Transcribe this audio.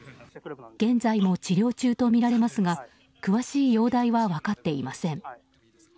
現在も治療中とみられますが詳しい容体は分かっていません。